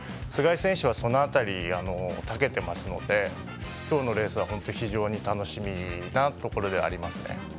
須貝選手は、その辺りたけてますので今日のレースは非常に楽しみなところではあります。